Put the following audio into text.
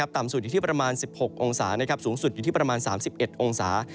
ต่ำสุดอยู่ที่ประมาณ๑๖องศาสูงสุดอยู่ที่ประมาณ๓๑องศา